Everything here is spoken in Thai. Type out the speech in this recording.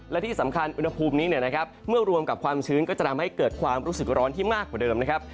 และที่สำคัญอุณหภูมินี้เนี่ยนะครับเมื่อรวมกับความชื้นก็จะทำให้เกิดความรู้สึกร้อนที่มากกว่าเดิมนะครับ